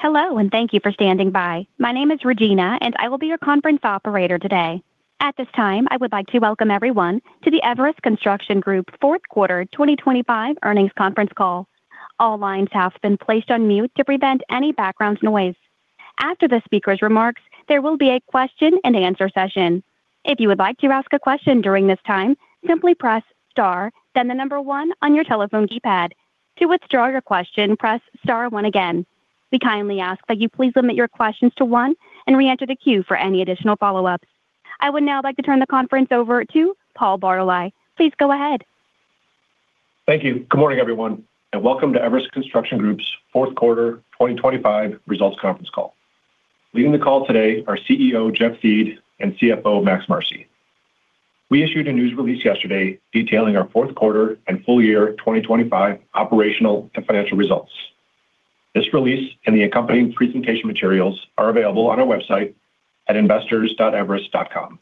Hello, thank you for standing by. My name is Regina, I will be your conference operator today. At this time, I would like to welcome everyone to the Everus Construction Group Fourth Quarter 2025 Earnings Conference Call. All lines have been placed on mute to prevent any background noise. After the speaker's remarks, there will be a question and answer session. If you would like to ask a question during this time, simply press Star, then the number one on your telephone keypad. To withdraw your question, press Star one again. We kindly ask that you please limit your questions to one and reenter the queue for any additional follow-ups. I would now like to turn the conference over to Paul Bartolai. Please go ahead. Thank you. Good morning, everyone, and welcome to Everus Construction Group's fourth quarter 2025 results conference call. Leading the call today are CEO, Jeff Thiede, and CFO, Max Marcy. We issued a news release yesterday detailing our Q4 and full year 2025 operational and financial results. This release and the accompanying presentation materials are available on our website at investors.everestglobal.com.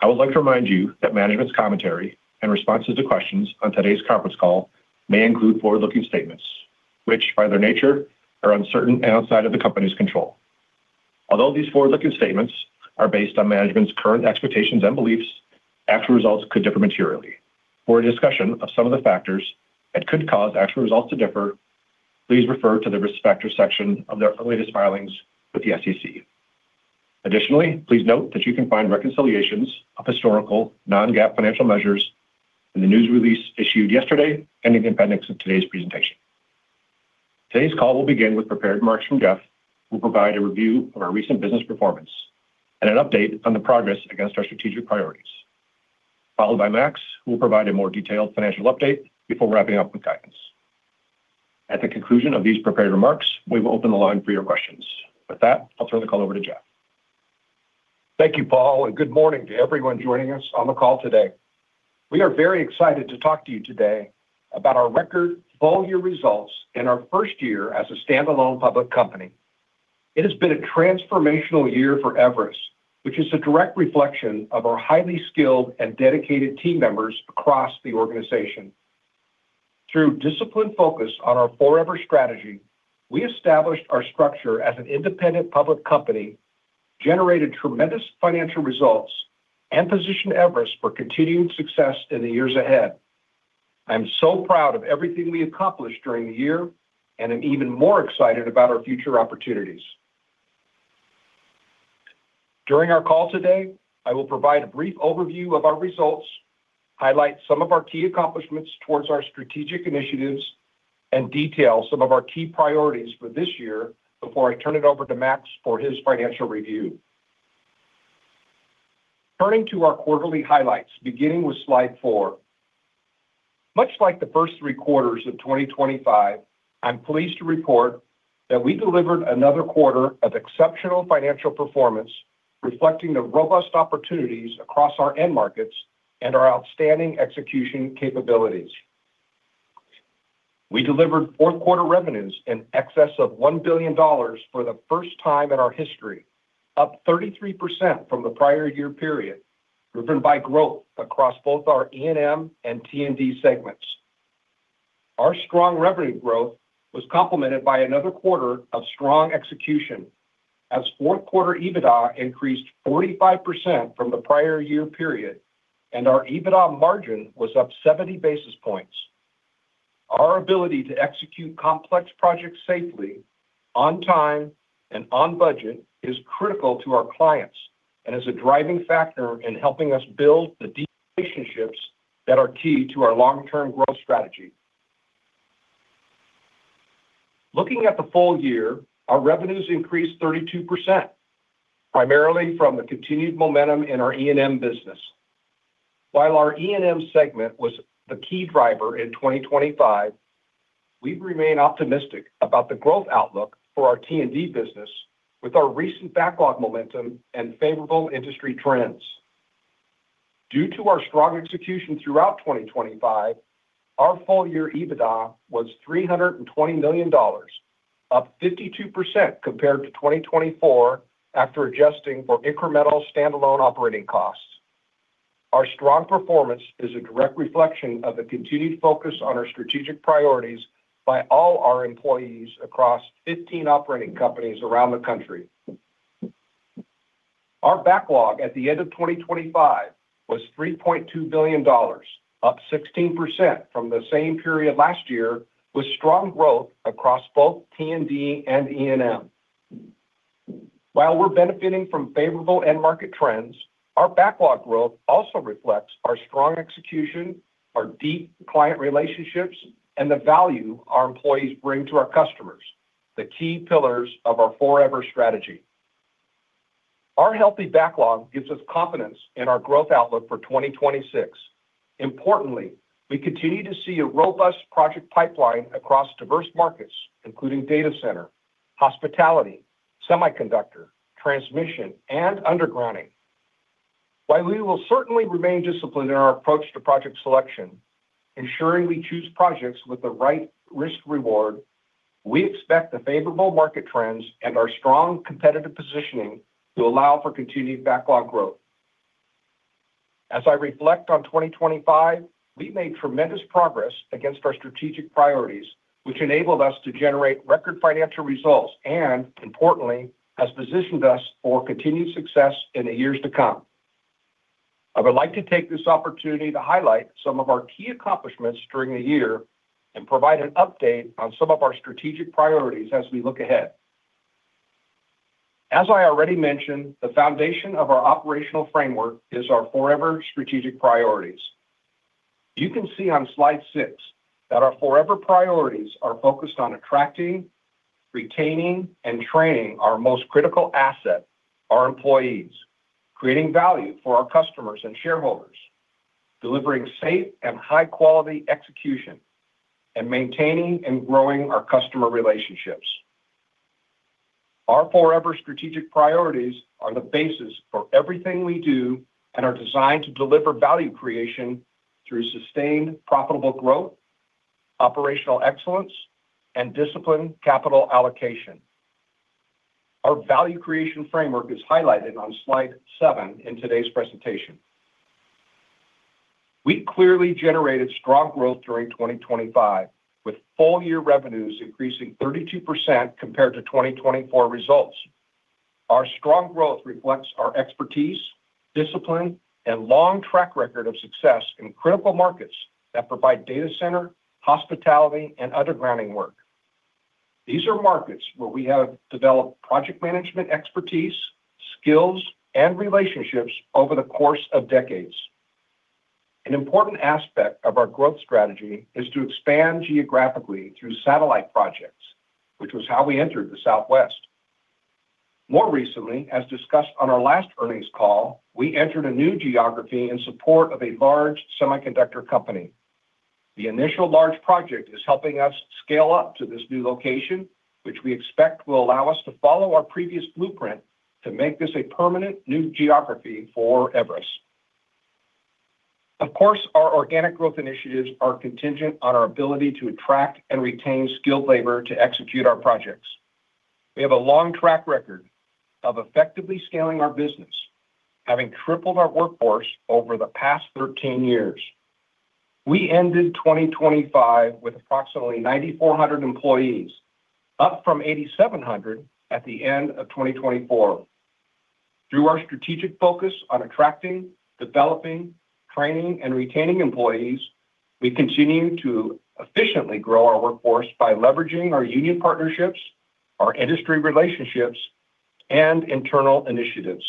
I would like to remind you that management's commentary and responses to questions on today's conference call may include forward-looking statements, which, by their nature, are uncertain and outside of the company's control. Although these forward-looking statements are based on management's current expectations and beliefs, actual results could differ materially. For a discussion of some of the factors that could cause actual results to differ, please refer to the Risk Factors section of their latest filings with the SEC. Additionally, please note that you can find reconciliations of historical non-GAAP financial measures in the news release issued yesterday and in the appendix of today's presentation. Today's call will begin with prepared remarks from Jeff, who will provide a review of our recent business performance and an update on the progress against our strategic priorities. Followed by Max, who will provide a more detailed financial update before wrapping up with guidance. At the conclusion of these prepared remarks, we will open the line for your questions. With that, I'll turn the call over to Jeff. Thank you, Paul, good morning to everyone joining us on the call today. We are very excited to talk to you today about our record full-year results and our first year as a standalone public company. It has been a transformational year for Everus, which is a direct reflection of our highly skilled and dedicated team members across the organization. Through disciplined focus on our forever strategy, we established our structure as an independent public company, generated tremendous financial results, and positioned Everus for continued success in the years ahead. I'm so proud of everything we accomplished during the year, and I'm even more excited about our future opportunities. During our call today, I will provide a brief overview of our results, highlight some of our key accomplishments towards our strategic initiatives, and detail some of our key priorities for this year before I turn it over to Max for his financial review. Turning to our quarterly highlights, beginning with slide four. Much like the first three quarters of 2025, I'm pleased to report that we delivered another quarter of exceptional financial performance, reflecting the robust opportunities across our end markets and our outstanding execution capabilities. We delivered Q4 revenues in excess of $1 billion for the first time in our history, up 33% from the prior year period, driven by growth across both our E&M and T&D segments. Our strong revenue growth was complemented by another quarter of strong execution, as Q4 EBITDA increased 45% from the prior year period. Our EBITDA margin was up 70 basis points. Our ability to execute complex projects safely, on time, and on budget is critical to our clients and is a driving factor in helping us build the deep relationships that are key to our long-term growth strategy. Looking at the full year, our revenues increased 32%, primarily from the continued momentum in our E&M business. While our E&M segment was the key driver in 2025, we remain optimistic about the growth outlook for our T&D business with our recent backlog momentum and favorable industry trends. Due to our strong execution throughout 2025, our full-year EBITDA was $320 million, up 52% compared to 2024, after adjusting for incremental standalone operating costs. Our strong performance is a direct reflection of the continued focus on our strategic priorities by all our employees across 15 operating companies around the country. Our backlog at the end of 2025 was $3.2 billion, up 16% from the same period last year, with strong growth across both T&D and E&M. We're benefiting from favorable end market trends, our backlog growth also reflects our strong execution, our deep client relationships, and the value our employees bring to our customers, the key pillars of our forever strategy. Our healthy backlog gives us confidence in our growth outlook for 2026. Importantly, we continue to see a robust project pipeline across diverse markets, including data center, hospitality, semiconductor, transmission, and undergrounding. While we will certainly remain disciplined in our approach to project selection, ensuring we choose projects with the right risk reward, we expect the favorable market trends and our strong competitive positioning to allow for continued backlog growth. As I reflect on 2025, we made tremendous progress against our strategic priorities, which enabled us to generate record financial results, and importantly, has positioned us for continued success in the years to come. I would like to take this opportunity to highlight some of our key accomplishments during the year and provide an update on some of our strategic priorities as we look ahead. As I already mentioned, the foundation of our operational framework is our Forever Strategy priorities. You can see on slide six that our forever priorities are focused on attracting, retaining, and training our most critical asset, our employees, creating value for our customers and shareholders, delivering safe and high-quality execution, and maintaining and growing our customer relationships. Our forever strategic priorities are the basis for everything we do and are designed to deliver value creation through sustained, profitable growth, operational excellence, and disciplined capital allocation. Our value creation framework is highlighted on slide seven in today's presentation. We clearly generated strong growth during 2025, with full-year revenues increasing 32% compared to 2024 results. Our strong growth reflects our expertise, discipline, and long track record of success in critical markets that provide data center, hospitality, and undergrounding work. These are markets where we have developed project management expertise, skills, and relationships over the course of decades. An important aspect of our growth strategy is to expand geographically through satellite projects, which was how we entered the Southwest. More recently, as discussed on our last earnings call, we entered a new geography in support of a large semiconductor company. The initial large project is helping us scale up to this new location, which we expect will allow us to follow our previous blueprint to make this a permanent new geography for Everus. Of course, our organic growth initiatives are contingent on our ability to attract and retain skilled labor to execute our projects. We have a long track record of effectively scaling our business, having tripled our workforce over the past 13 years. We ended 2025 with approximately 9,400 employees, up from 8,700 at the end of 2024. Through our strategic focus on attracting, developing, training, and retaining employees, we continue to efficiently grow our workforce by leveraging our union partnerships, our industry relationships, and internal initiatives.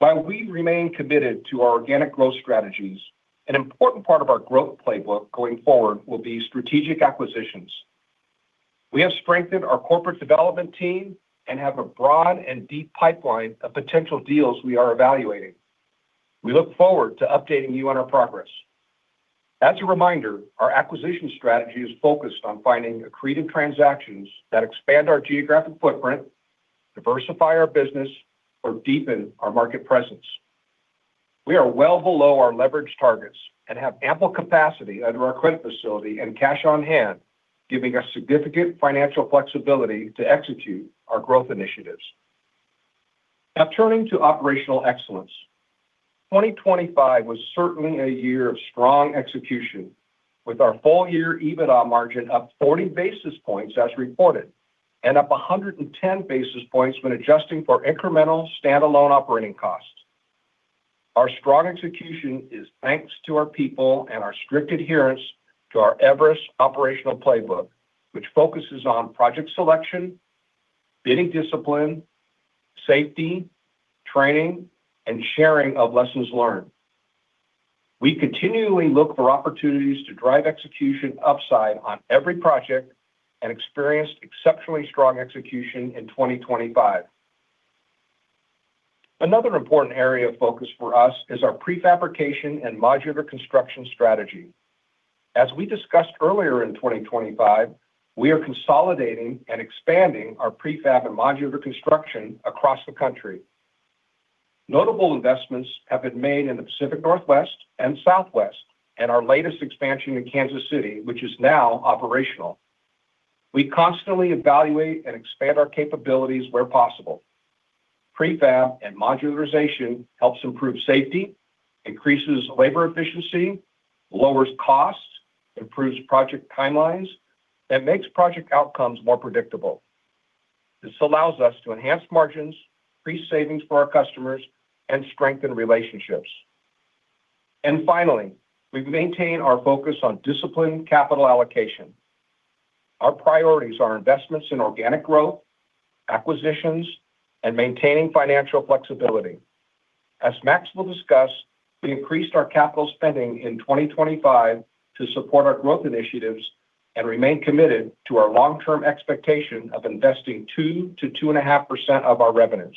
While we remain committed to our organic growth strategies, an important part of our growth playbook going forward will be strategic acquisitions. We have strengthened our corporate development team and have a broad and deep pipeline of potential deals we are evaluating. We look forward to updating you on our progress. As a reminder, our acquisition strategy is focused on finding accretive transactions that expand our geographic footprint, diversify our business, or deepen our market presence. We are well below our leverage targets and have ample capacity under our credit facility and cash on hand, giving us significant financial flexibility to execute our growth initiatives. Now, turning to operational excellence. 2025 was certainly a year of strong execution, with our full-year EBITDA margin up 40 basis points as reported, and up 110 basis points when adjusting for incremental standalone operating costs. Our strong execution is thanks to our people and our strict adherence to our Everus operational playbook, which focuses on project selection, bidding discipline, safety, training, and sharing of lessons learned. We continually look for opportunities to drive execution upside on every project and experienced exceptionally strong execution in 2025. Another important area of focus for us is our prefabrication and modular construction strategy. As we discussed earlier in 2025, we are consolidating and expanding our prefab and modular construction across the country. Notable investments have been made in the Pacific Northwest and Southwest, and our latest expansion in Kansas City, which is now operational. We constantly evaluate and expand our capabilities where possible. Prefab and modularization helps improve safety, increases labor efficiency, lowers costs, improves project timelines, and makes project outcomes more predictable. This allows us to enhance margins, create savings for our customers, and strengthen relationships. Finally, we've maintained our focus on disciplined capital allocation. Our priorities are investments in organic growth, acquisitions, and maintaining financial flexibility. As Max will discuss, we increased our capital spending in 2025 to support our growth initiatives and remain committed to our long-term expectation of investing 2%-2.5% of our revenues.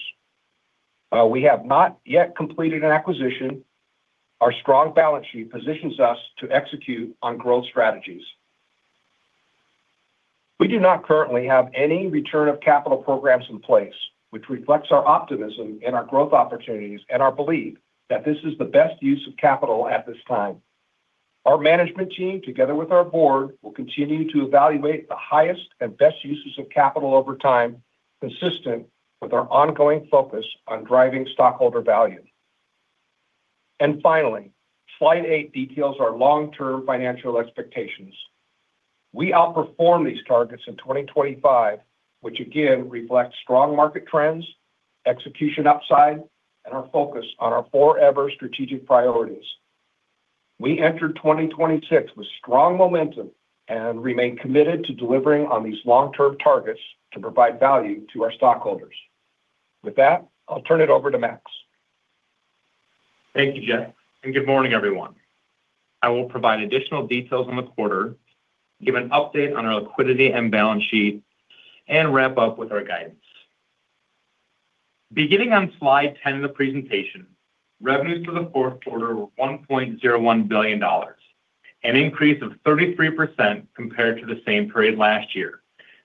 We have not yet completed an acquisition. Our strong balance sheet positions us to execute on growth strategies. We do not currently have any return of capital programs in place, which reflects our optimism in our growth opportunities and our belief that this is the best use of capital at this time. Our management team, together with our board, will continue to evaluate the highest and best uses of capital over time, consistent with our ongoing focus on driving stockholder value. Finally, slide eight details our long-term financial expectations. We outperformed these targets in 2025, which again reflects strong market trends, execution upside, and our focus on our Forever strategic priorities. We entered 2026 with strong momentum and remain committed to delivering on these long-term targets to provide value to our stockholders. With that, I'll turn it over to Max. Thank you, Jeff. Good morning, everyone. I will provide additional details on the quarter, give an update on our liquidity and balance sheet, and wrap up with our guidance. Beginning on slide 10 of the presentation, revenues for the Q4 were $1.01 billion, an increase of 33% compared to the same period last year.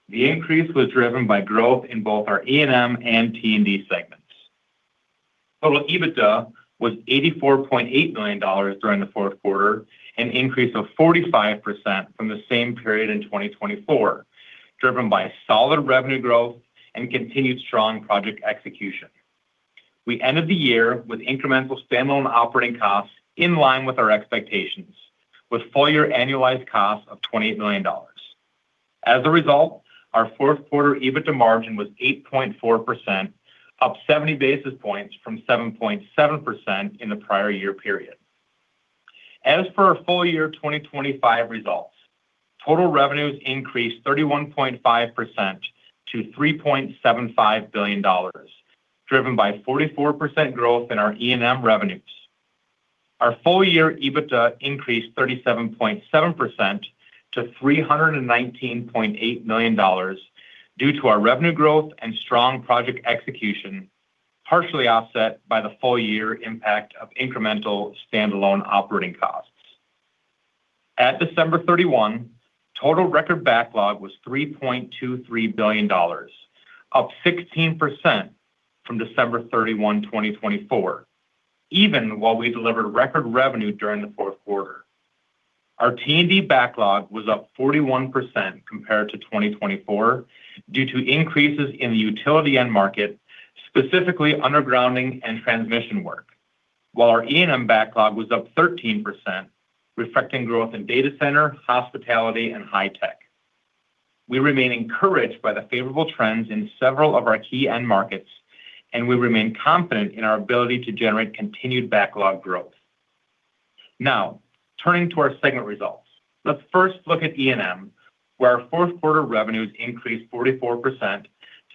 The increase was driven by growth in both our E&M and T&D segments. Total EBITDA was $84.8 million during the Q4, an increase of 45% from the same period in 2024, driven by solid revenue growth and continued strong project execution. We ended the year with incremental standalone operating costs in line with our expectations, with full-year annualized costs of $28 million. As a result, our Q4 EBITDA margin was 8.4%, up 70 basis points from 7.7% in the prior year period. As for our full year 2025 results, total revenues increased 31.5% to $3.75 billion, driven by 44% growth in our E&M revenues. Our full-year EBITDA increased 37.7% to $319.8 million due to our revenue growth and strong project execution, partially offset by the full year impact of incremental standalone operating costs. At December 31, total record backlog was $3.23 billion, up 16% from December 31, 2024, even while we delivered record revenue during the Q4. Our T&D backlog was up 41% compared to 2024 due to increases in the utility end market, specifically undergrounding and transmission work, while our E&M backlog was up 13%, reflecting growth in data center, hospitality, and high tech. We remain encouraged by the favorable trends in several of our key end markets. We remain confident in our ability to generate continued backlog growth. Turning to our segment results. Let's first look at E&M, where our Q4 revenues increased 44%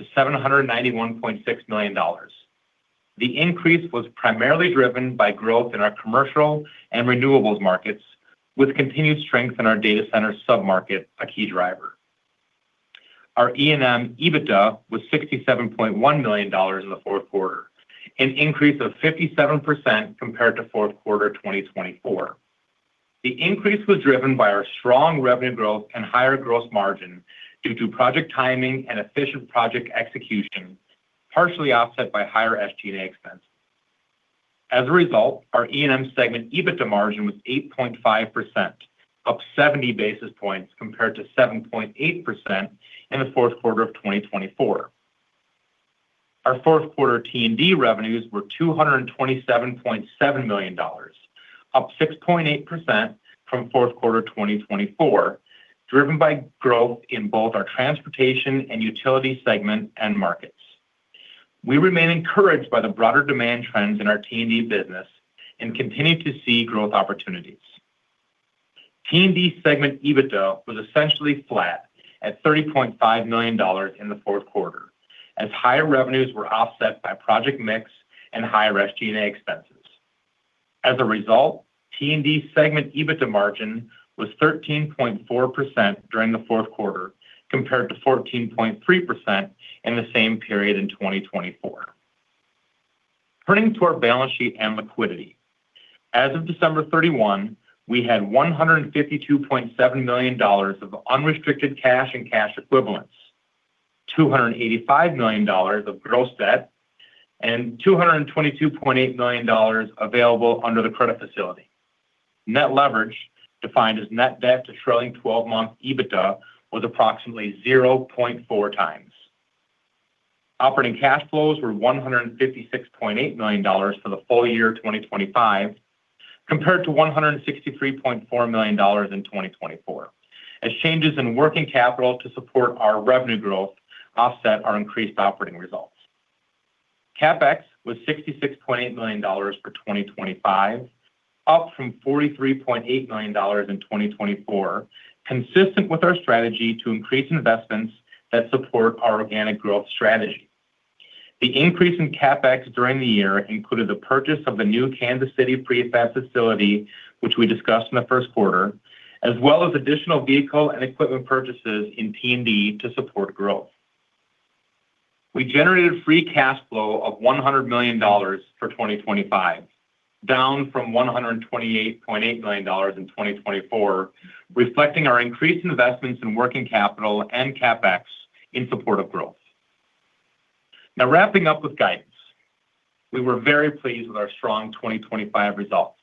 to $791.6 million. The increase was primarily driven by growth in our commercial and renewables markets, with continued strength in our data center sub-market, a key driver. Our E&M EBITDA was $67.1 million in the Q4, an increase of 57% compared to Q4uarter 2024. The increase was driven by our strong revenue growth and higher gross margin due to project timing and efficient project execution, partially offset by higher SG&A expenses. As a result, our E&M segment EBITDA margin was 8.5%, up 70 basis points compared to 7.8% in the Q4 of 2024. Our Q4 T&D revenues were $227.7 million, up 6.8% from Q4 2024, driven by growth in both our transportation and utility segment end markets. We remain encouraged by the broader demand trends in our T&D business and continue to see growth opportunities. T&D segment EBITDA was essentially flat at $30.5 million in the Q4arter, as higher revenues were offset by project mix and higher SG&A expenses. As a result, T&D segment EBITDA margin was 13.4% during the Q4, compared to 14.3% in the same period in 2024. Turning to our balance sheet and liquidity. As of December 31, we had $152.7 million of unrestricted cash and cash equivalents, $285 million of gross debt, and $222.8 million available under the credit facility. Net leverage, defined as net debt to trailing 12 month EBITDA, was approximately 0.4x. Operating cash flows were $156.8 million for the full year 2025, compared to $163.4 million in 2024, as changes in working capital to support our revenue growth offset our increased operating results. CapEx was $66.8 million for 2025, up from $43.8 million in 2024, consistent with our strategy to increase investments that support our organic growth strategy. The increase in CapEx during the year included the purchase of the new Kansas City prefab facility, which we discussed in the Q1, as well as additional vehicle and equipment purchases in T&D to support growth. We generated free cash flow of $100 million for 2025, down from $128.8 million in 2024, reflecting our increased investments in working capital and CapEx in support of growth. Wrapping up with guidance. We were very pleased with our strong 2025 results.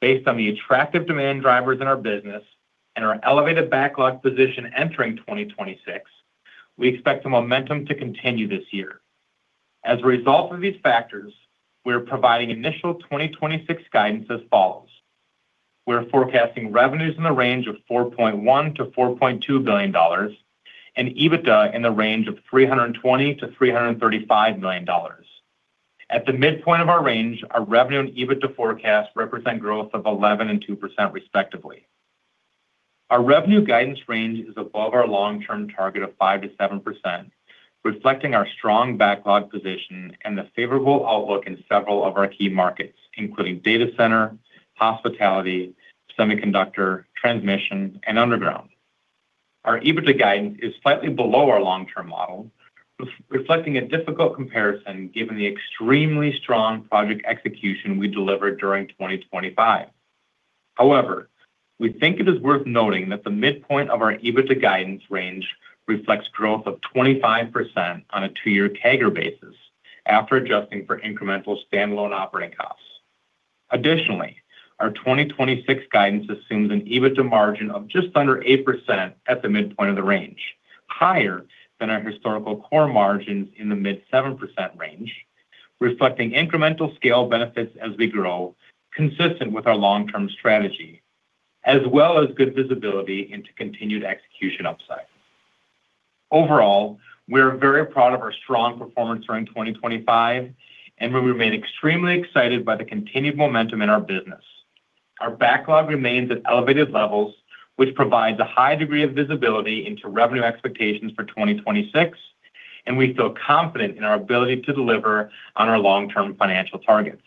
Based on the attractive demand drivers in our business and our elevated backlog position entering 2026, we expect the momentum to continue this year. As a result of these factors, we're providing initial 2026 guidance as follows: We're forecasting revenues in the range of $4.1 billion-$4.2 billion and EBITDA in the range of $320 million-$335 million. At the midpoint of our range, our revenue and EBITDA forecast represent growth of 11% and 2%, respectively. Our revenue guidance range is above our long-term target of 5%-7%, reflecting our strong backlog position and the favorable outlook in several of our key markets, including data center, hospitality, semiconductor, transmission, and underground. Our EBITDA guidance is slightly below our long-term model, reflecting a difficult comparison given the extremely strong project execution we delivered during 2025. However, we think it is worth noting that the midpoint of our EBITDA guidance range reflects growth of 25% on a two year CAGR basis after adjusting for incremental standalone operating costs. Additionally, our 2026 guidance assumes an EBITDA margin of just under 8% at the midpoint of the range, higher than our historical core margins in the mid-7% range, reflecting incremental scale benefits as we grow, consistent with our long-term strategy, as well as good visibility into continued execution upside. Overall, we're very proud of our strong performance during 2025, and we remain extremely excited by the continued momentum in our business. Our backlog remains at elevated levels, which provides a high degree of visibility into revenue expectations for 2026, and we feel confident in our ability to deliver on our long-term financial targets.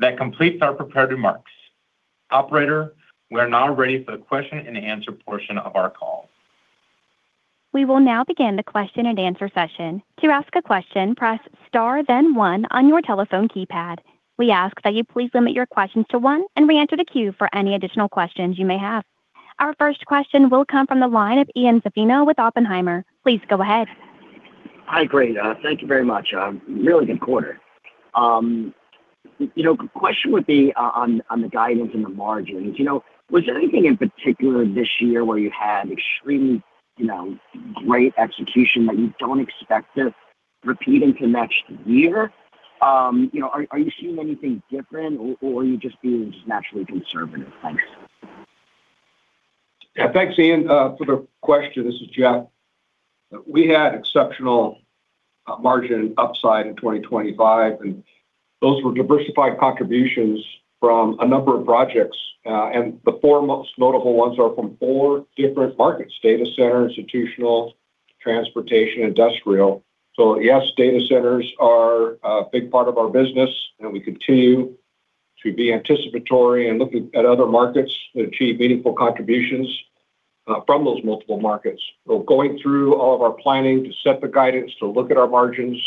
That completes our prepared remarks. Operator, we are now ready for the question-and-answer portion of our call. We will now begin the question-and-answer session. To ask a question, press star, then one on your telephone keypad. We ask that you please limit your questions to one and reenter the queue for any additional questions you may have. Our first question will come from the line of Ian Zaffino with Oppenheimer. Please go ahead. Hi, great. Thank you very much. Really good quarter. You know, the question would be on the guidance and the margins. You know, was there anything in particular this year where you had extremely, you know, great execution that you don't expect to repeat into next year? You know, are you seeing anything different or are you just being just naturally conservative? Thanks. Yeah. Thanks, Ian, for the question. This is Jeff. We had exceptional margin upside in 2025, those were diversified contributions from a number of projects. The four most notable ones are from four different markets: data center, institutional, transportation, industrial. Yes, data centers are a big part of our business, we continue to be anticipatory and looking at other markets to achieve meaningful contributions from those multiple markets. Going through all of our planning to set the guidance, to look at our margins,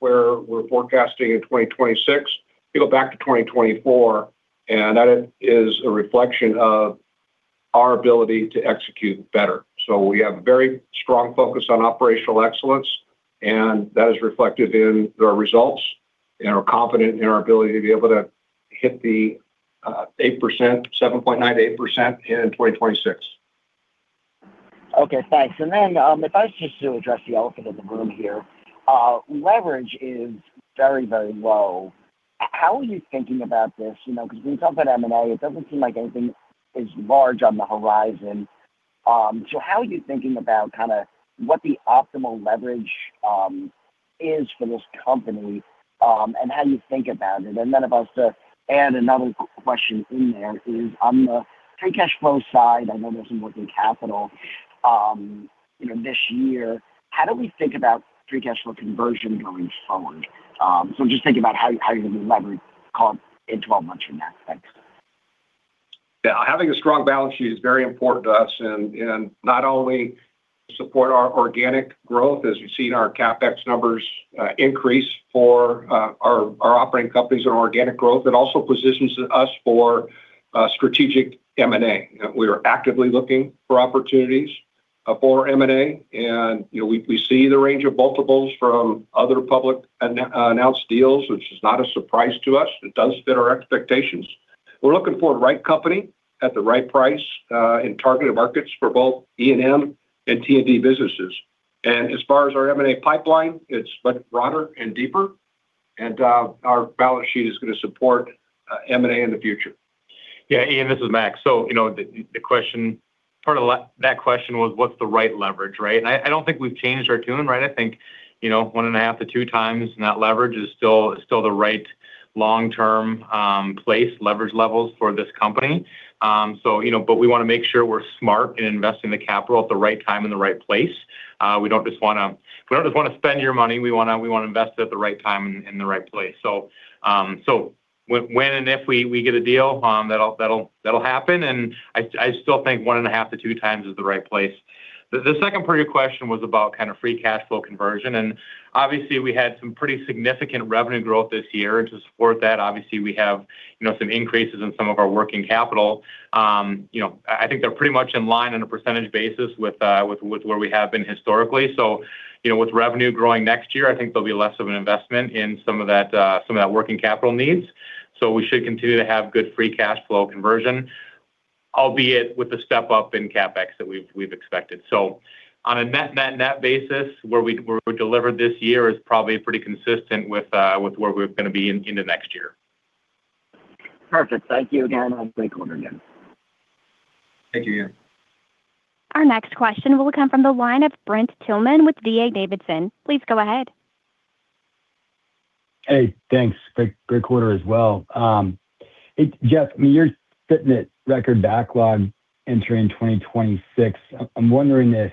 where we're forecasting in 2026, you go back to 2024, that is a reflection of our ability to execute better. We have a very strong focus on operational excellence, and that is reflected in the results, and we're confident in our ability to be able to hit the, 8%, 7.9%-8% in 2026. Okay, thanks. If I was just to address the elephant in the room here, leverage is very low. How are you thinking about this? You know, because when you talk about M&A, it doesn't seem like anything is large on the horizon. How are you thinking about kinda what the optimal leverage is for this company, and how do you think about it? I've also add another question in there is, on the free cash flow side, I know there's some working capital, you know, this year, how do we think about free cash flow conversion going forward? Just thinking about how you're going to leverage comp in 12 months from now. Thanks. Yeah. Having a strong balance sheet is very important to us and not only support our organic growth, as you've seen our CapEx numbers increase for our operating companies and organic growth, it also positions us for strategic M&A. We are actively looking for opportunities for M&A, and, you know, we see the range of multiples from other public announced deals, which is not a surprise to us. It does fit our expectations. We're looking for the right company at the right price in targeted markets for both E&M and T&D businesses. As far as our M&A pipeline, it's much broader and deeper, and our balance sheet is going to support M&A in the future. Ian Zaffino, this is Max Marcy. You know, that question was, what's the right leverage, right? I don't think we've changed our tune, right? I think, you know, 1.5-2 times, that leverage is still the right long-term place, leverage levels for this company. You know, we want to make sure we're smart in investing the capital at the right time in the right place. We don't just wanna spend your money, we wanna invest it at the right time and in the right place. When and if we get a deal, that'll happen, and I still think 1.5-2 times is the right place. The second part of your question was about kind of free cash flow conversion. Obviously, we had some pretty significant revenue growth this year. To support that, obviously, we have, you know, some increases in some of our working capital. You know, I think they're pretty much in line on a percentage basis with where we have been historically. You know, with revenue growing next year, I think there'll be less of an investment in some of that working capital needs. We should continue to have good free cash flow conversion, albeit with a step up in CapEx that we've expected. On a net, net basis, where we delivered this year is probably pretty consistent with where we're gonna be in, into next year. Perfect. Thank you again, and great quarter again. Thank you again. Our next question will come from the line of Brent Thielman with D.A. Davidson. Please go ahead. Hey, thanks. Great quarter as well. it's, Jeff, I mean, you're sitting at record backlog entering 2026. I'm wondering if,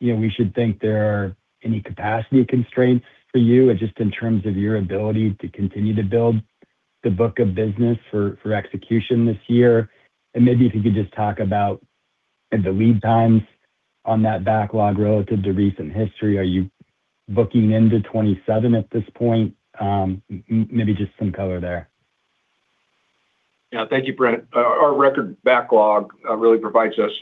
you know, we should think there are any capacity constraints for you, and just in terms of your ability to continue to build the book of business for execution this year? Maybe if you could just talk about the lead times on that backlog relative to recent history. Are you booking into 2027 at this point? maybe just some color there. Yeah. Thank you, Brent Thielman. Our record backlog really provides us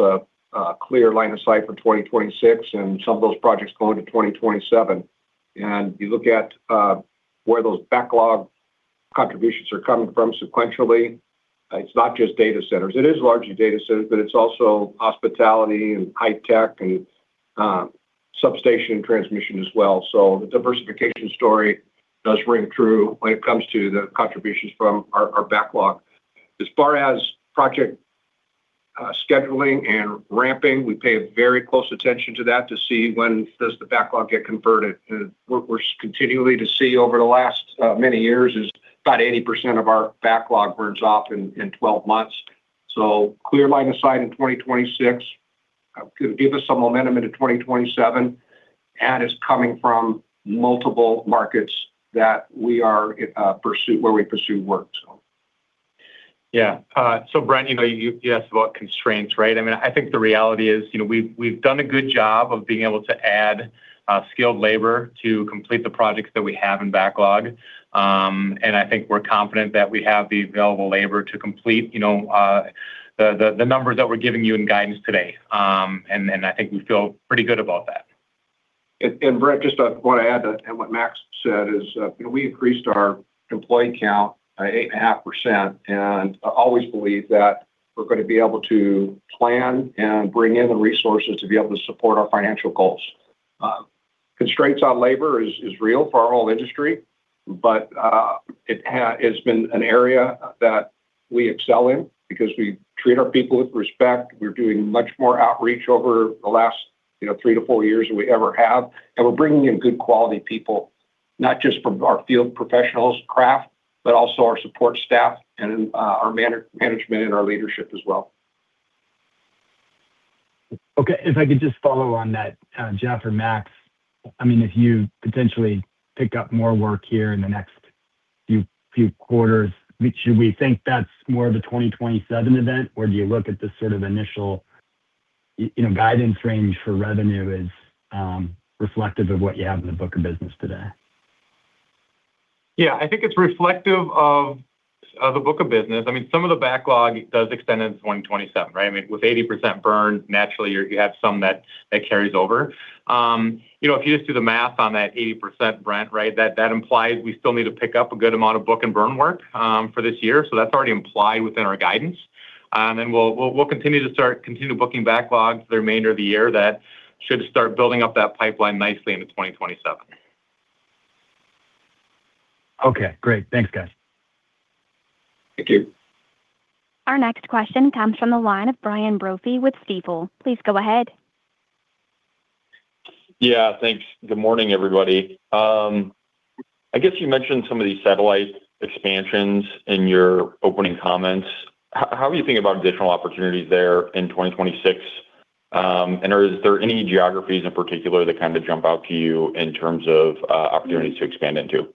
a clear line of sight for 2026, and some of those projects go into 2027. You look at where those backlog contributions are coming from sequentially, it's not just data centers. It is largely data centers, but it's also hospitality and high tech and substation transmission as well. The diversification story does ring true when it comes to the contributions from our backlog. As far as project scheduling and ramping, we pay very close attention to that to see when does the backlog get converted. What we're continually to see over the last many years is about 80% of our backlog burns off in 12 months. Clear line of sight in 2026, could give us some momentum into 2027, and it's coming from multiple markets that we are in where we pursue work, so. Brent, you know, you asked about constraints, right? I mean, I think the reality is, you know, we've done a good job of being able to add skilled labor to complete the projects that we have in backlog. I think we're confident that we have the available labor to complete, you know, the numbers that we're giving you in guidance today. I think we feel pretty good about that. Brent, just want to add to and what Max said, you know, we increased our employee count by 8.5%. I always believe that we're gonna be able to plan and bring in the resources to be able to support our financial goals. Constraints on labor is real for our whole industry, but it's been an area that we excel in because we treat our people with respect. We're doing much more outreach over the last, you know, three to four years than we ever have. We're bringing in good, quality people, not just from our field professionals craft, but also our support staff and our management and our leadership as well. Okay, if I could just follow on that, Jeff or Max, I mean, if you potentially pick up more work here in the next few quarters, should we think that's more of a 2027 event, or do you look at the sort of initial, you know, guidance range for revenue as reflective of what you have in the book of business today? Yeah, I think it's reflective of the book of business. I mean, some of the backlog does extend into 2027, right? I mean, with 80% burn, naturally, you have some that carries over. you know, if you just do the math on that 80%, Brent, right? That, that implies we still need to pick up a good amount of book and burn work, for this year, so that's already implied within our guidance. We'll continue booking backlogs for the remainder of the year. That should start building up that pipeline nicely into 2027. Okay, great. Thanks, guys. Thank you. Our next question comes from the line of Brian Brophy with Stifel. Please go ahead. Yeah, thanks. Good morning, everybody. I guess you mentioned some of these satellite expansions in your opening comments. How are you thinking about additional opportunities there in 2026? Are there any geographies in particular that kind of jump out to you in terms of opportunities to expand into?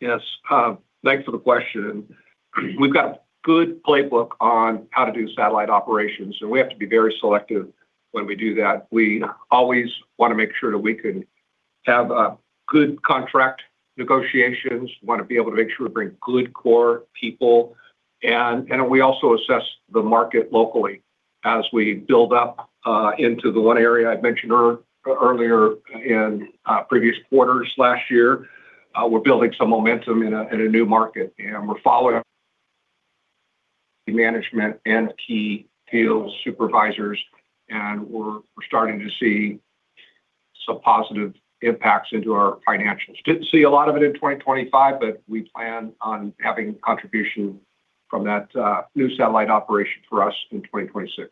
Yes, thanks for the question. We've got a good playbook on how to do satellite operations, and we have to be very selective when we do that. We always want to make sure that we can have good contract negotiations, want to be able to make sure we bring good core people, and we also assess the market locally as we build up into the one area I mentioned earlier in previous quarters last year. We're building some momentum in a new market, and we're following up management and key field supervisors, and we're starting to see some positive impacts into our financials. Didn't see a lot of it in 2025, but we plan on having contribution from that new satellite operation for us in 2026.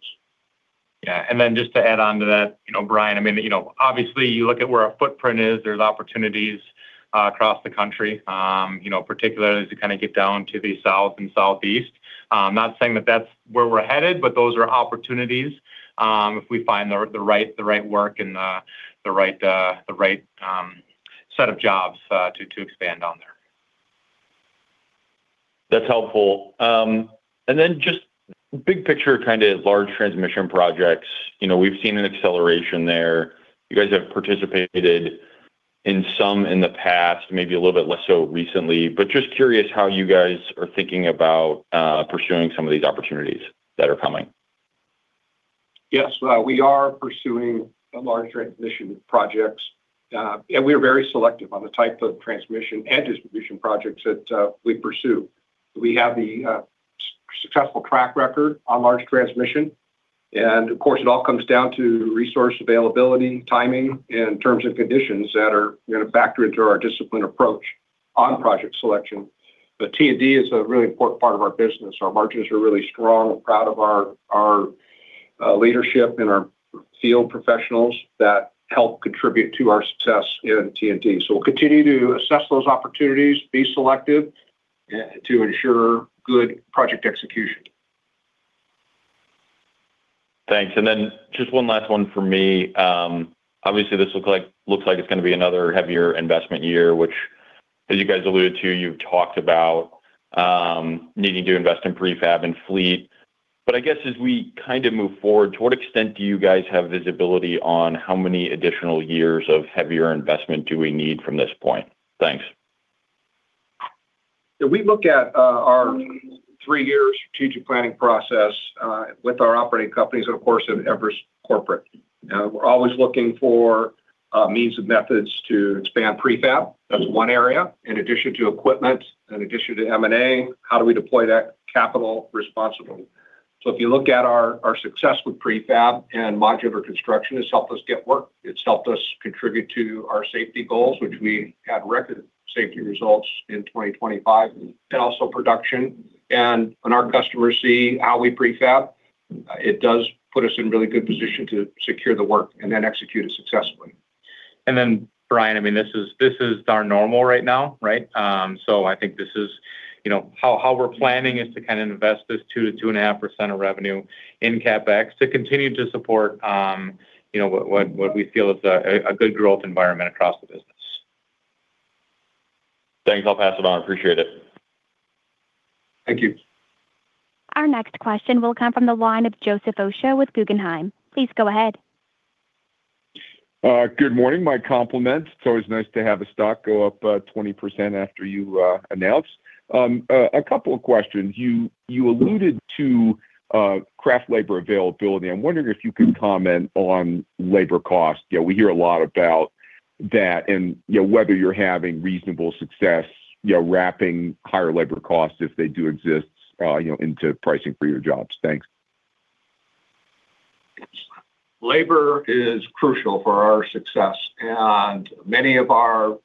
Just to add on to that, you know, Brian, I mean, you know, obviously, you look at where our footprint is, there's opportunities across the country, you know, particularly as you kind of get down to the South and Southeast. Not saying that that's where we're headed, but those are opportunities, if we find the right work and the right set of jobs to expand on there. That's helpful. Just big picture, kind of large transmission projects. You know, we've seen an acceleration there. You guys have participated in some in the past, maybe a little bit less so recently, but just curious how you guys are thinking about pursuing some of these opportunities that are coming? Yes, we are pursuing a large transmission projects, and we are very selective on the type of transmission and distribution projects that we pursue. We have the successful track record on large transmission, and of course, it all comes down to resource availability, timing, and terms and conditions that are going to factor into our discipline approach on project selection. T&D is a really important part of our business. Our margins are really strong. We're proud of our leadership and our field professionals that help contribute to our success in T&D. We'll continue to assess those opportunities, be selective to ensure good project execution. Thanks. Just one last one for me. Obviously, this looks like it's going to be another heavier investment year, which as you guys alluded to, you've talked about, needing to invest in prefab and fleet. I guess as we kind of move forward, to what extent do you guys have visibility on how many additional years of heavier investment do we need from this point? Thanks. Yeah, we look at our three-year strategic planning process with our operating companies, and of course, at Everus Corporate. We're always looking for means and methods to expand prefab. That's one area. In addition to equipment, in addition to M&A, how do we deploy that capital responsibly? If you look at our success with prefab and modular construction, it's helped us get work. It's helped us contribute to our safety goals, which we had record safety results in 2025, and also production. When our customers see how we prefab, it does put us in really good position to secure the work and then execute it successfully. Brian, I mean, this is our normal right now, right? So I think this is, you know, how we're planning is to invest this 2% - 2.5% of revenue in CapEx to continue to support, you know, what we feel is a good growth environment across the business. Thanks. I'll pass it on. Appreciate it. Thank you. Our next question will come from the line of Joseph Osha with Guggenheim. Please go ahead. Good morning. My compliments. It's always nice to have a stock go up 20% after you announce. A couple of questions. You alluded to craft labor availability. I'm wondering if you could comment on labor cost. We hear a lot about that and, you know, whether you're having reasonable success, you know, wrapping higher labor costs, if they do exist, you know, into pricing for your jobs. Thanks. Labor is crucial for our success. Many of our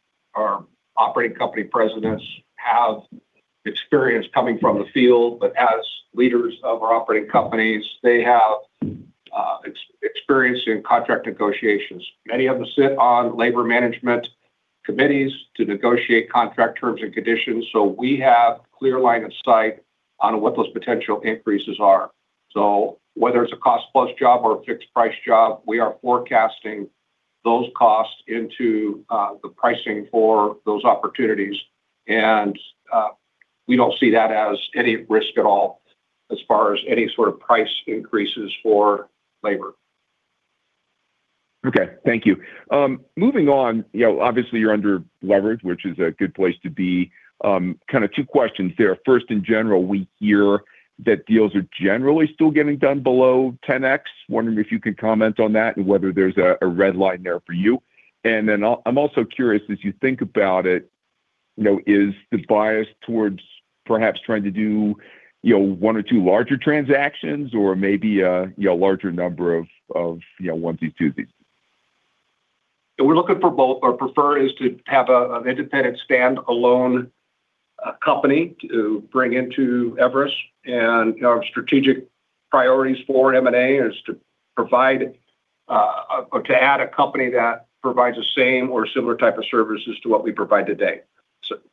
operating company presidents have experience coming from the field. As leaders of our operating companies, they have experience in contract negotiations. Many of them sit on labor management committees to negotiate contract terms and conditions. We have clear line of sight on what those potential increases are. Whether it's a cost plus job or a fixed price job, we are forecasting those costs into the pricing for those opportunities. We don't see that as any risk at all as far as any sort of price increases for labor. Okay, thank you. Moving on, you know, obviously, you're under leverage, which is a good place to be. Kind of two questions there. First, in general, we hear that deals are generally still getting done below 10x. Wondering if you could comment on that and whether there's a red line there for you? I'm also curious, as you think about it, you know, is the bias towards perhaps trying to do, you know, one or two larger transactions or maybe a larger number of, you know, onesie, twosie? We're looking for both. Our preferred is to have an independent, stand-alone company to bring into Everus. Our strategic priorities for M&A is to provide or to add a company that provides the same or similar type of services to what we provide today,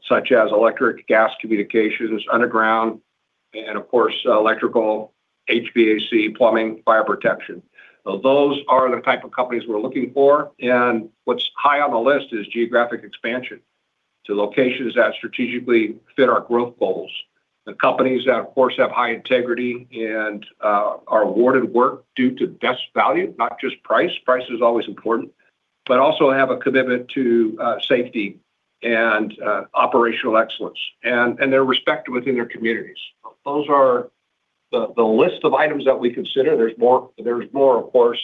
such as electric, gas, communications, underground, and of course, electrical, HVAC, plumbing, fire protection. Those are the type of companies we're looking for. What's high on the list is geographic expansion to locations that strategically fit our growth goals. The companies that, of course, have high integrity and are awarded work due to best value, not just price. Price is always important. Also have a commitment to safety and operational excellence, and they're respected within their communities. Those are the list of items that we consider. There's more, there's more, of course,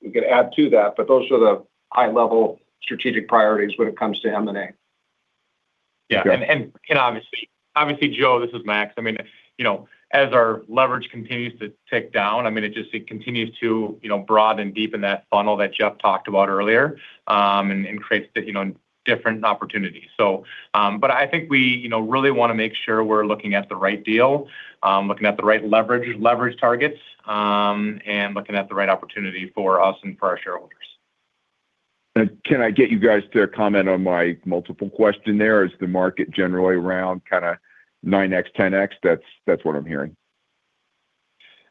we can add to that, but those are the high-level strategic priorities when it comes to M&A. Yeah, and Obviously, Joe, this is Max. I mean, you know, as our leverage continues to tick down, it just continues to, you know, broaden, deepen that funnel that Jeff talked about earlier, and creates, you know, different opportunities. I think we, you know, really want to make sure we're looking at the right deal, looking at the right leverage targets, and looking at the right opportunity for us and for our shareholders. Can I get you guys to comment on my multiple question there? Is the market generally around kind of 9x, 10x? That's what I'm hearing.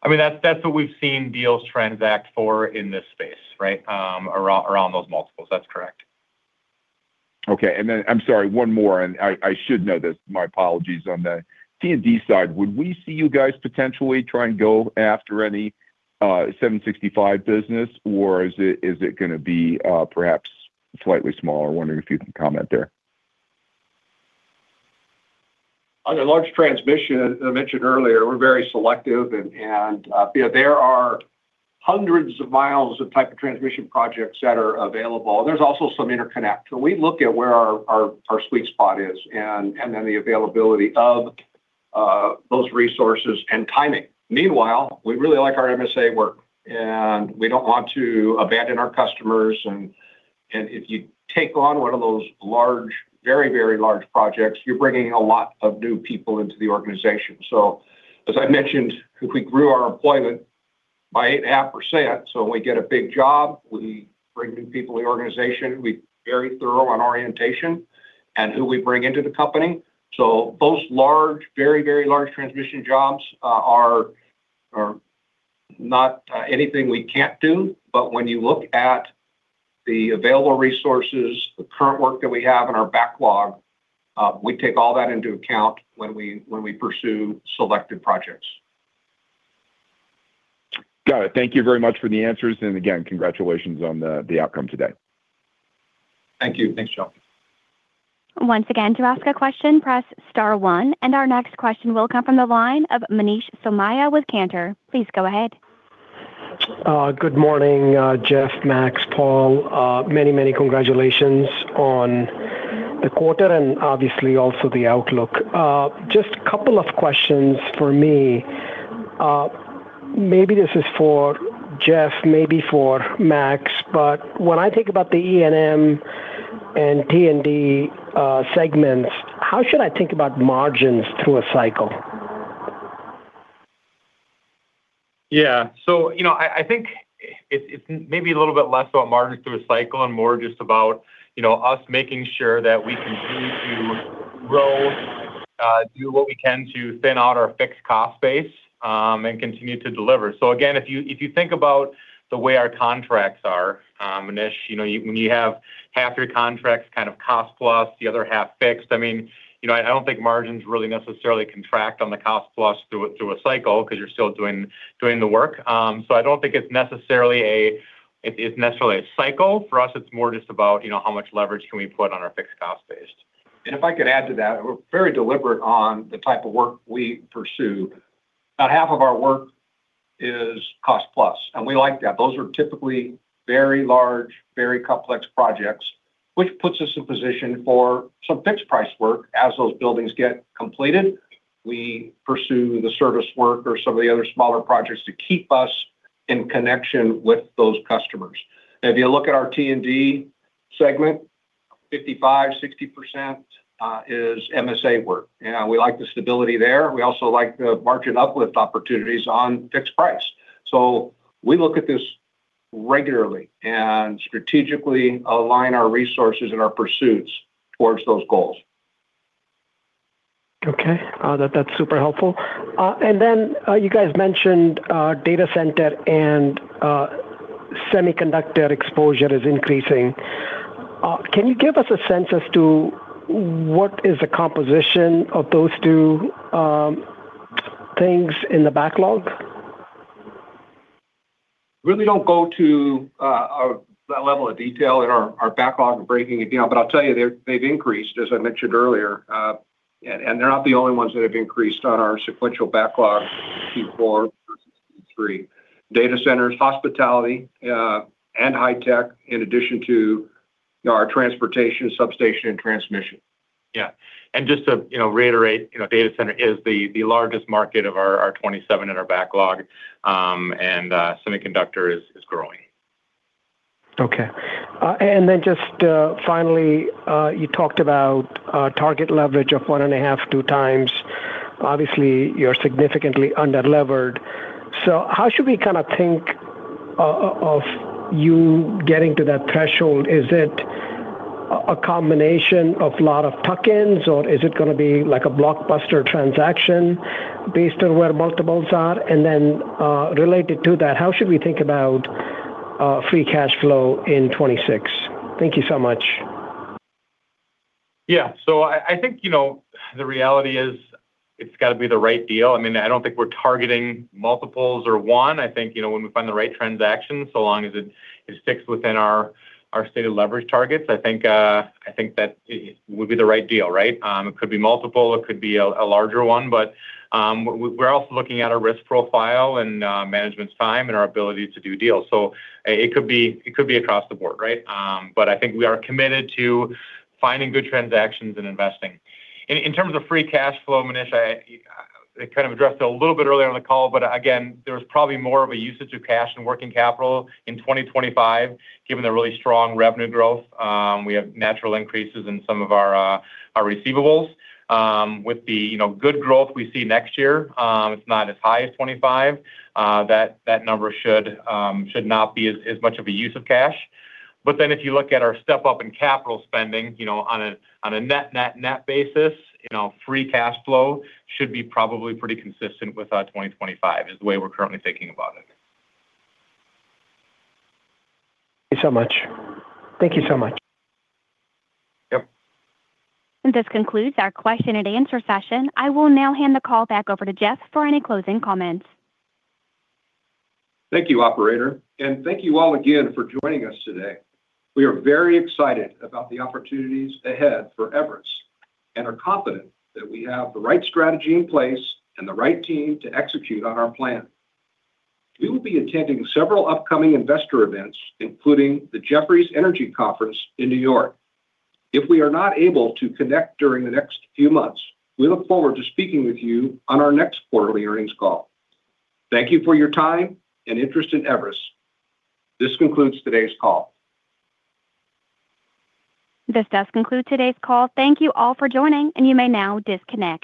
I mean, that's what we've seen deals transact for in this space, right? Around those multiples. That's correct. Okay. I'm sorry, one more, I should know this. My apologies on the T&D side, would we see you guys potentially try and go after any 765 business, or is it gonna be perhaps slightly smaller? I'm wondering if you can comment there. Under large transmission, I mentioned earlier, we're very selective, and, you know, there are hundreds of miles of type of transmission projects that are available. There's also some interconnect. We look at where our sweet spot is and then the availability of those resources and timing. Meanwhile, we really like our MSA work, and we don't want to abandon our customers. If you take on one of those large, very large projects, you're bringing a lot of new people into the organization. As I mentioned, we grew our employment by 8.5%, so when we get a big job, we bring new people in the organization. We're very thorough on orientation and who we bring into the company. Those large, very large transmission jobs are not anything we can't do. When you look at the available resources, the current work that we have in our backlog, we take all that into account when we pursue selected projects. Got it. Thank you very much for the answers. Again, congratulations on the outcome today. Thank you. Thanks, Sean. Once again, to ask a question, press star one, and our next question will come from the line of Manish Somaiya with Cantor. Please go ahead. Good morning, Jeff, Max, Paul. Many, many congratulations on the quarter and obviously also the outlook. Just a couple of questions for me. Maybe this is for Jeff, maybe for Max, but when I think about the E&M and T&D segments, how should I think about margins through a cycle? Yeah. You know, I think it's maybe a little bit less about margins through a cycle and more just about, you know, us making sure that we continue to grow, do what we can to thin out our fixed cost base and continue to deliver. Again, if you, if you think about the way our contracts are, Manish, you know, when you have half your contracts kind of cost plus, the other half fixed, I mean, you know, I don't think margins really necessarily contract on the cost plus through a, through a cycle because you're still doing the work. I don't think it's necessarily a cycle. For us, it's more just about, you know, how much leverage can we put on our fixed cost base. If I could add to that, we're very deliberate on the type of work we pursue. About half of our work is cost plus, and we like that. Those are typically very large, very complex projects, which puts us in position for some fixed price work. As those buildings get completed, we pursue the service work or some of the other smaller projects to keep us in connection with those customers. If you look at our T&D segment, 55%-60% is MSA work, and we like the stability there. We also like the margin uplift opportunities on fixed price. We look at this regularly and strategically align our resources and our pursuits towards those goals. Okay, that's super helpful. You guys mentioned data center and semiconductor exposure is increasing. Can you give us a sense as to what is the composition of those two things in the backlog? Really don't go to that level of detail in our backlog breaking it down, but I'll tell you, they've increased, as I mentioned earlier. They're not the only ones that have increased on our sequential backlog, Q4, three. Data centers, hospitality, and high tech, in addition to our transportation, substation, and transmission. Yeah. Just to, you know, reiterate, you know, data center is the largest market of our 27 in our backlog, and semiconductor is growing. Okay. Finally, you talked about target leverage of 1.5x-2x. Obviously, you're significantly under-levered. How should we kinda think of you getting to that threshold? Is it a combination of a lot of tuck-ins, or is it gonna be like a blockbuster transaction based on where multiples are? Related to that, how should we think about free cash flow in 2026? Thank you so much. Yeah. I think, you know, the reality is it's got to be the right deal. I mean, I don't think we're targeting multiples or one. I think, you know, when we find the right transaction, so long as it sticks within our stated leverage targets, I think, I think that it would be the right deal, right? It could be multiple, it could be a larger one, we're also looking at our risk profile and management time and our ability to do deals. It could be across the board, right? I think we are committed to finding good transactions and investing. In terms of free cash flow, Manish, I kind of addressed it a little bit earlier on the call, again, there was probably more of a usage of cash and working capital in 2025, given the really strong revenue growth. We have natural increases in some of our receivables. With the, you know, good growth we see next year, it's not as high as 2025, that number should not be as much of a use of cash. If you look at our step-up in capital spending, you know, on a net, net basis, you know, free cash flow should be probably pretty consistent with 2025, is the way we're currently thinking about it. Thank you so much. Thank you so much. Yep. This concludes our question and answer session. I will now hand the call back over to Jeff for any closing comments. Thank you, operator. Thank you all again for joining us today. We are very excited about the opportunities ahead for Everus, and are confident that we have the right strategy in place and the right team to execute on our plan. We will be attending several upcoming investor events, including the Jefferies Energy Conference in New York. If we are not able to connect during the next few months, we look forward to speaking with you on our next quarterly earnings call. Thank you for your time and interest in Everus. This concludes today's call. This does conclude today's call. Thank you all for joining, and you may now disconnect.